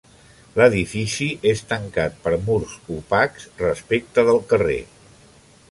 L'edifici és tancat per murs opacs respecte del carrer.